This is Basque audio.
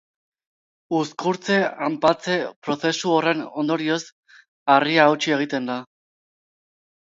Uzkurtze-hanpatze prozesu horren ondorioz harria hautsi egiten da.